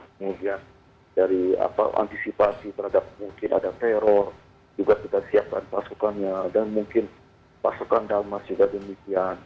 kemudian dari antisipasi terhadap mungkin ada teror juga kita siapkan pasukannya dan mungkin pasukan dalmas juga demikian